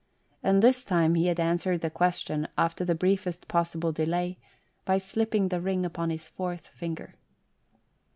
And this time he had answered the question, after the briefest possible delay, by slipping the ring upon his fourth finger.